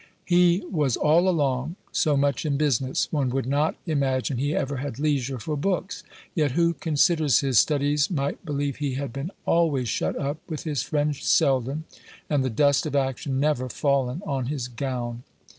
He was all along so much in business, one would not imagine he ever had leisure for books; yet, who considers his studies might believe he had been always shut up with his friend Selden, and the dust of action never fallen on his gown."